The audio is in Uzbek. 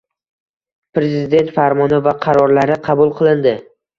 Prezident farmoni va qarorlari qabul qilindi.